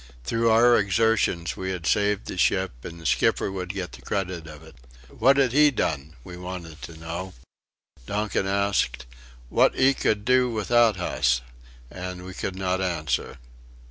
Through our exertions we had saved the ship and the skipper would get the credit of it. What had he done? we wanted to know. Donkin asked: "What 'ee could do without hus?" and we could not answer.